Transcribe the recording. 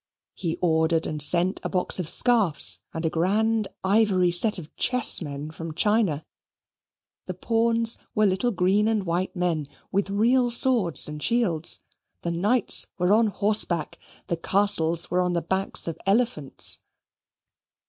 He ordered and sent a box of scarfs and a grand ivory set of chess men from China. The pawns were little green and white men, with real swords and shields; the knights were on horseback, the castles were on the backs of elephants.